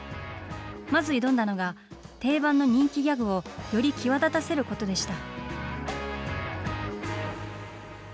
まず挑んだのが、定番の人気ギャグをより際立たせることでした。